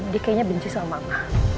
dia kayaknya benci sama allah